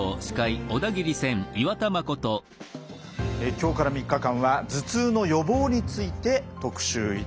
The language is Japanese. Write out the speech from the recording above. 今日から３日間は頭痛の予防について特集いたします。